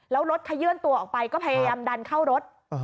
แล้วรถเขยื่นตัวออกไปก็พยายามดันเข้ารถ